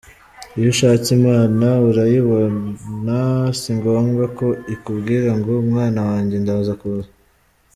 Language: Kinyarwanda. Iyo ushatse Imana urayibona; Si ngombwa ko ikubwira ngo mwana wanjye ndaza kuza.